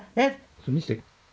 それ見せて。